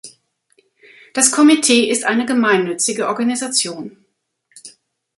Das Komitee ist eine gemeinnützige Organisation.